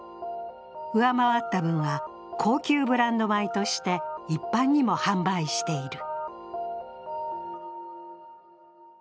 上回った分は、高級ブランド米として一般にも販売している。